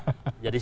jadi saya memang